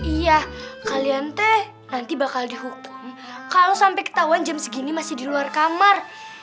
iya kalian teh nanti bakal dihukum kalau sampai ketahuan jam segini masih di luar kamar